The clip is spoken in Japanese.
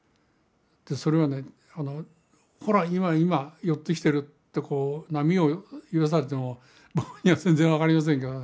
それはね「ほら今寄ってきてる」ってこう波を指さされても僕には全然分かりませんけどね。